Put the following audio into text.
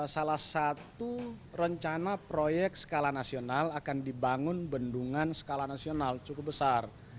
salah satu rencana proyek skala nasional akan dibangun bendungan skala nasional cukup besar